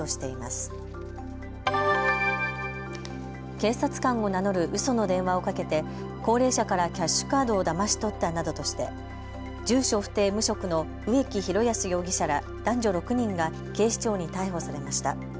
警察官を名乗るうその電話をかけて高齢者からキャッシュカードをだまし取ったなどとして住所不定、無職の植木啓安容疑者ら男女６人が警視庁に逮捕されました。